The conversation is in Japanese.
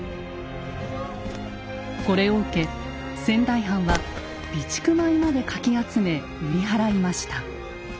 これを受け仙台藩は備蓄米までかき集め売り払いました。